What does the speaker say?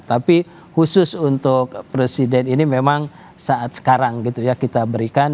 tapi khusus untuk presiden ini memang saat sekarang gitu ya kita berikan